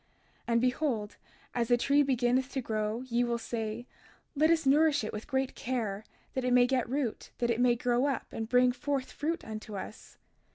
32:37 And behold, as the tree beginneth to grow, ye will say: Let us nourish it with great care, that it may get root, that it may grow up, and bring forth fruit unto us.